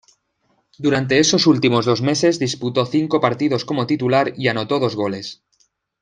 Durante esos últimos dos meses, disputó cinco partidos como titular y anotó dos goles.